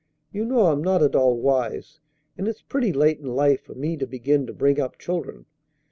You know I'm not at all wise, and it's pretty late in life for me to begin to bring up children."